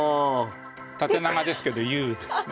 縦長ですけどＵですね。